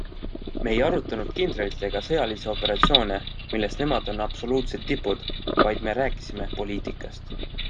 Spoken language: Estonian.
Me ei arutanud kindralitega sõjalisi operatsioone, milles nemad on absoluutsed tipud, vaid me rääkisime poliitikast.